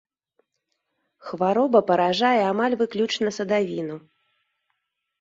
Хвароба паражае амаль выключна садавіну.